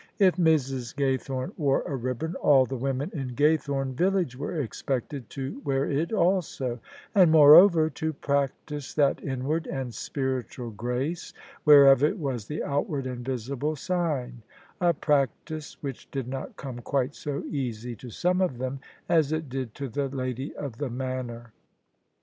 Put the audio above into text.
If Mrs. Gaythorne wore a ribbon, all the women in Gaythome village were expected to wear it also : and, moreover, to practise that inward and spiritual grace whereof it was the outward and visible sign : a practice which did not come quite so easy to some of them as it did to the lady of the manor.